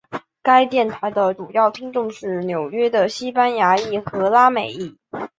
该电台的主要听众是纽约的西班牙裔和拉美裔。